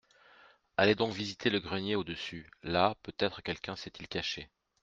Allez donc visiter le grenier au-dessus, là peut-être quelqu’un s’est-il caché !